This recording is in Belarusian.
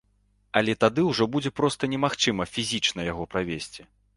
Але тады ўжо будзе проста немагчыма фізічна яго правесці.